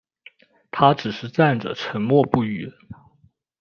他只是站着沉默不语